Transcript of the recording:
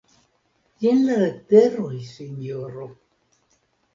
Jen la leteroj, sinjoro